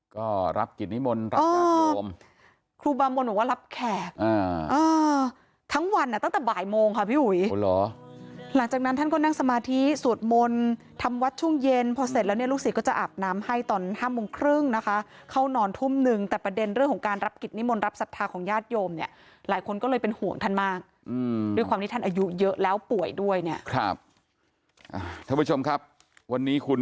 ก็รับกิจนิมนต์รับยาดโยมครูบำว่ารับแขกทั้งวันตั้งแต่บ่ายโมงค่ะพี่หุยหลังจากนั้นท่านก็นั่งสมาธิสูตรมนต์ทำวัดช่วงเย็นพอเสร็จแล้วเนี่ยลูกศิษย์ก็จะอาบน้ำให้ตอน๕โมงครึ่งนะคะเข้านอนทุ่มหนึ่งแต่ประเด็นเรื่องของการรับกิจนิมนต์รับศัพทาของยาดโยมเนี่ยหลายคนก็เลยเป็นห่ว